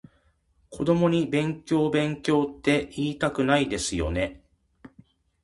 子供に勉強勉強っていいたくないですよね？